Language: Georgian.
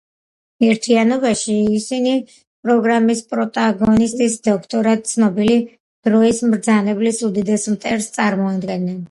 ერთიანობაში ისინი პროგრამის პროტაგონისტის, დოქტორად ცნობილი დროის მბრძანებლის, უდიდეს მტერს წარმოადგენენ.